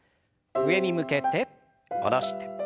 上に向けて下ろして。